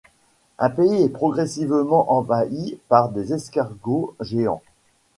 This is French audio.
Un pays est progressivement envahi par des escargots géants.